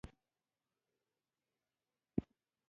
نرس وویل دا ناروغ روږدی دی.